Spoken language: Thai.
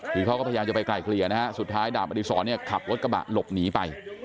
พยายามจะไปกลายเคลียดนะสุดท้ายดาบอดิษรขับรถกระบะหลบหนีไป